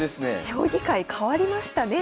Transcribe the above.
将棋界変わりましたね。